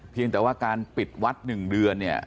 เพียงแต่ว่าการปิดวัดหนึ่งเดือน